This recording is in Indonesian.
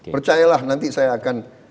percayalah nanti saya akan